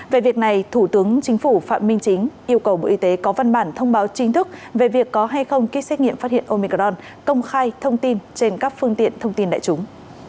về việc này thủ tướng chính phủ phạm minh chính yêu cầu bộ y tế có văn bản thông báo chính thức về việc có hay không ký xét nghiệm phát hiện omicron công khai thông tin trên các phương tiện thông tin đại chúng